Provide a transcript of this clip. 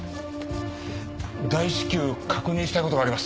大至急確認したい事があります。